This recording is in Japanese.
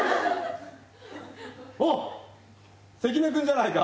あっ関根君じゃないか！